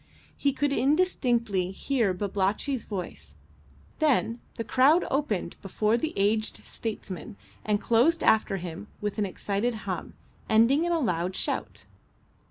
He could indistinctly hear Babalatchi's voice, then the crowd opened before the aged statesman and closed after him with an excited hum, ending in a loud shout.